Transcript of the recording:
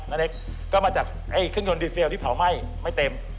อันนี้ก็มาจากเครื่องยนต์ดีเซลที่เผาไหม้ไม่เต็ม